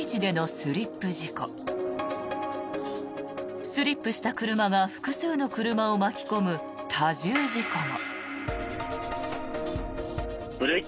スリップした車が複数の車を巻き込む多重事故も。